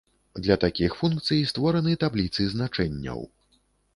Для такіх функцый створаны табліцы значэнняў.